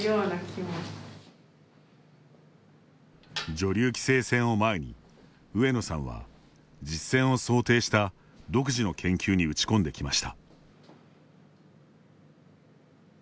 女流棋聖戦を前に上野さんは実戦を想定した独自の研究に打ち込んできました。